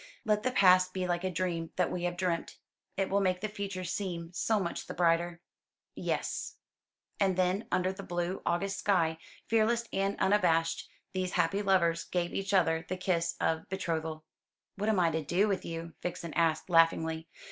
"Let the past be like a dream that we have dreamt. It will make the future seem so much the brighter." "Yes." And then under the blue August sky, fearless and unabashed, these happy lovers gave each other the kiss of betrothal. "What am I to do with you?" Vixen asked laughingly.